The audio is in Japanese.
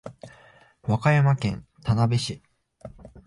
和歌山県田辺市